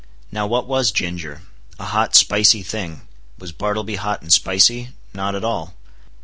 Now what was ginger? A hot, spicy thing. Was Bartleby hot and spicy? Not at all.